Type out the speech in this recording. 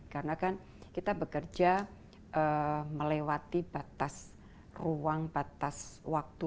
karena kan kita bekerja melewati batas ruang batas waktu